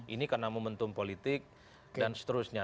ini karena momentum politik dan seterusnya